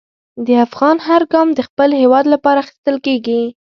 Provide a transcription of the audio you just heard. د افغان هر ګام د خپل هېواد لپاره اخیستل کېږي.